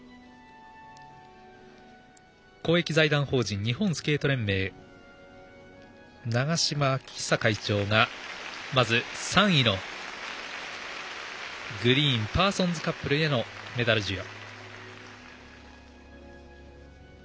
公益財団法人日本スケート連盟長島昭久会長が、まず３位のグリーン、パーソンズカップルへメダル授与。